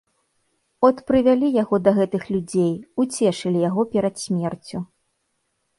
От прывялі яго да гэтых людзей, уцешылі яго перад смерцю.